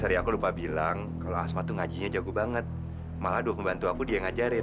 dari aku lupa bilang kalau asmat tuh ngajinya jago banget malah dua pembantu aku dia yang ngajarin